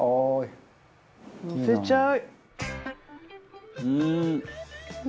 のせちゃう！